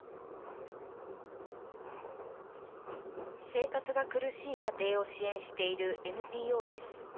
生活が苦しい家庭を支援しているＮＰＯです。